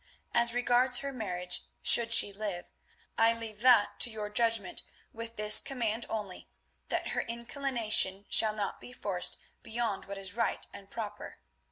As regards her marriage, should she live, I leave that to your judgment with this command only, that her inclination shall not be forced, beyond what is right and proper.